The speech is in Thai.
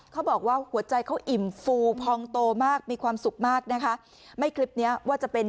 เขาบอกว่าหัวใจเขาอิ่มฟูพองโตมากมีความสุขมากนะคะ